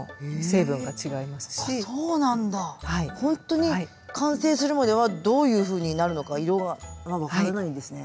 ほんとに完成するまではどういうふうになるのか色が分からないんですね。